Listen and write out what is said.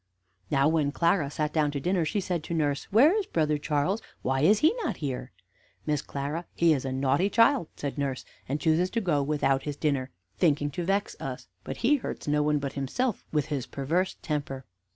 Now, when Clara sat down to dinner, she said to nurse: "Where is brother Charles? Why is he not here?" "Miss Clara, he is a naughty child," said nurse, "and chooses to go without his dinner, thinking to vex us; but he hurts no one but himself with his perverse temper."